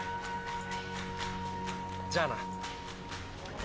じゃあな。